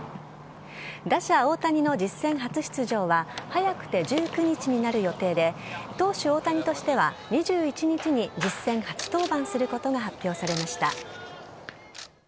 打者・大谷の実戦初出場は早くて１９日になる予定で投手・大谷としては２１日に実戦初登板することが発表されました。